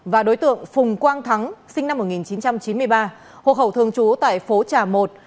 và đối tượng phùng quang thắng sinh năm một nghìn chín trăm chín mươi ba hộ khẩu thường trú tại phố trà một